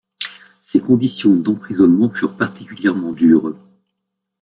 Ses conditions d’emprisonnement furent particulièrement dures.